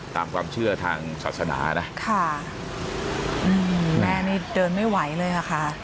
ตามความเชื่อทางศาสนานะค่ะอืมแม่นี่เดินไม่ไหวเลยอ่ะค่ะ